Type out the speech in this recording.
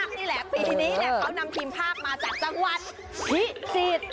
คนภาคนี่แหละปีที่นี้เนี่ยเรานำทีมภาคมาจากจังหวัดพิจิตณ์